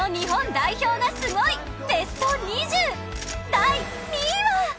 第２位は⁉